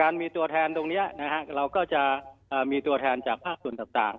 เราก็จะมีตัวแทนจากภาพส่วนต่าง